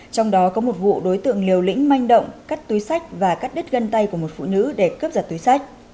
trong đó có một vụ đối tượng liều lĩnh manh động cắt túi sách và cắt đứt gân tay của một phụ nữ để cướp giật túi sách